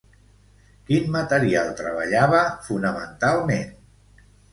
Quin material treballava fonamentalment?